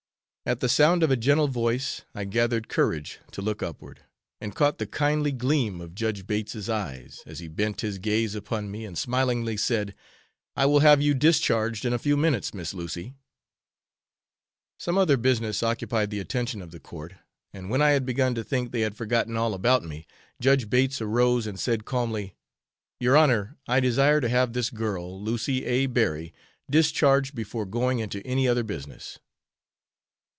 At the sound of a gentle voice, I gathered courage to look upward, and caught the kindly gleam of Judge Bates' eyes, as he bent his gaze upon me and smilingly said, "I will have you discharged in a few minutes, Miss Lucy!" Some other business occupied the attention of the Court, and when I had begun to think they had forgotten all about me, Judge Bates arose and said calmly, "Your Honor, I desire to have this girl, Lucy A. Berry, discharged before going into any other business."